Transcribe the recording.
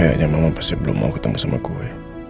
kayaknya mamam pasti belum mau ketemu sama gue